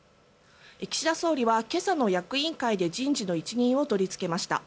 岸田総理は今朝の役員会で人事の一任を取りつけました。